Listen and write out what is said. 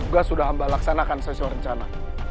tugas sudah mbak laksanakan sesuai rencana